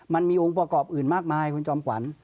มันมีองค์ประกอบอื่นมากมายคุณจอมขวัญ